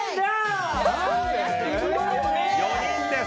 ４人です。